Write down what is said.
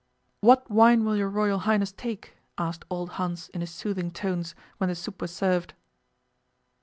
'What wine will your Royal Highness take?' asked old Hans in his soothing tones, when the soup was served.